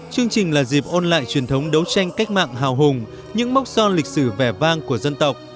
chương trình là dịp ôn lại truyền thống đấu tranh cách mạng hào hùng những mốc son lịch sử vẻ vang của dân tộc